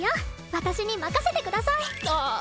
私に任せてくださいあっ